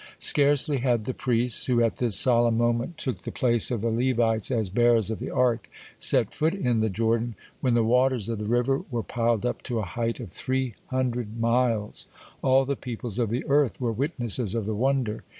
Scarcely had the priests, who at this solemn moment took the place of the Levites as bearers of the Ark, set foot in the Jordan, when the waters of the river were piled up to a height of three hundred miles. All the peoples of the earth were witnesses of the wonder.